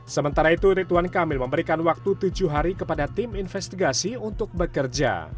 sementara itu rituan kamil memberikan waktu tujuh hari kepada tim investigasi untuk bekerja